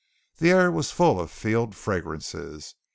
The air was full of field fragrances.